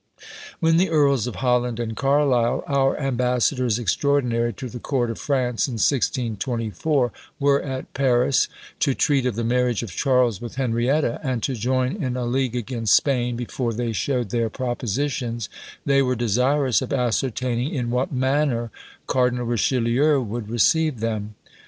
When the Earls of Holland and Carlisle, our ambassadors extraordinary to the court of France, in 1624, were at Paris, to treat of the marriage of Charles with Henrietta, and to join in a league against Spain, before they showed their propositions, they were desirous of ascertaining in what manner Cardinal Richelieu would receive them.